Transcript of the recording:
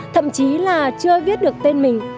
thậm chí là chưa viết được tên mình